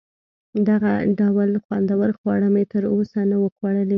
دغه ډول خوندور خواړه مې تر اوسه نه وه خوړلي.